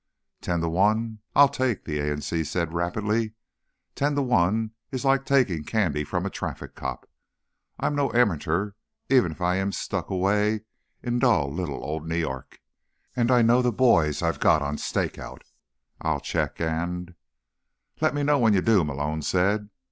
"Ten to one, I'll take," the A in C said rapidly. "Ten to one is like taking candy from a traffic cop. I'm no amateur, even if I am stuck away in dull little old New York—and I know the boys I've got on stakeout. I'll check, and—" "Let me know when you do," Malone said.